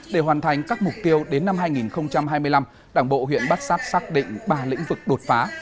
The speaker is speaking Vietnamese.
để hoàn thành các mục tiêu đến năm hai nghìn hai mươi năm đảng bộ huyện bát sát xác định ba lĩnh vực đột phá